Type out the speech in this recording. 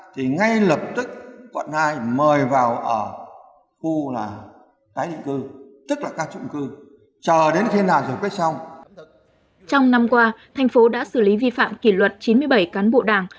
trong năm qua thành phố đã xử lý vi phạm kỷ luật chín mươi bảy cán bộ đảng